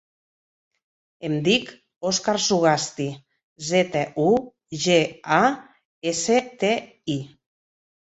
Em dic Òscar Zugasti: zeta, u, ge, a, essa, te, i.